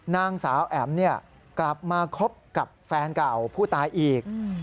นางสาวแอ๋มกลับมาคบกับแฟนเก่าผู้ตายอีก